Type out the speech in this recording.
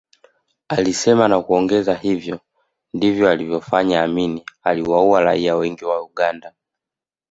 Alisema na kuongeza hivyo ndivyo alivyofanya Amin aliwaua raia wengi wa Uganda